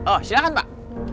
oh silahkan pak